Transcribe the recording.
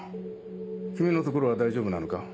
君の所は大丈夫なのか？